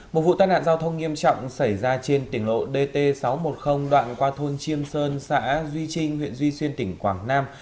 một vụ tai nạn giao thông nghiêm trọng xảy ra trên tỉnh lộ dt sáu trăm một mươi đoạn qua thôn chiêm sơn xã duy trinh huyện duy xuyên tỉnh quảng nam